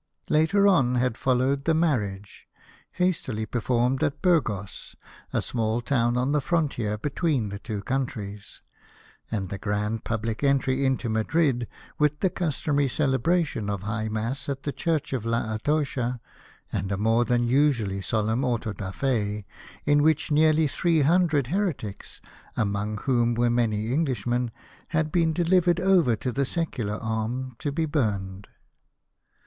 Later on had fol lowed the marriage, hastily performed at Burgos, a small town on the frontier between the two countries, and the grand public entry into Madrid with the customary celebration of high mass at the Church of La Atocha, and a more than usually solemn auto da fe , in which nearly three hundred heretics, amongst whom were many Englishmen, had been delivered over to the secular arm to be burned.